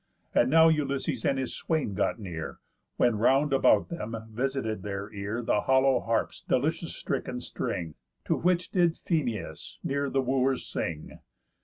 And now Ulysses and his swain got near, When round about them visited their ear The hollow harp's delicious stricken string, To which did Phemius, near the Wooers, sing.